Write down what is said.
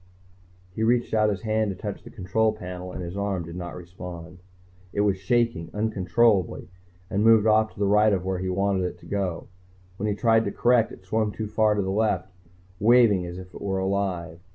He reached out his hand to touch the control panel, and his arm did not respond. It was shaking, uncontrollably, and moved off to the right of where he wanted it to go. When he tried to correct, it swung too far to the left, waving as if it were alive.